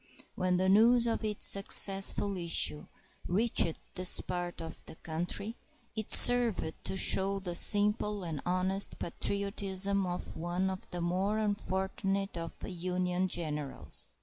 When the news of its successful issue reached this part of the country, it served to show the simple and honest patriotism of one of the more unfortunate of the Union generals.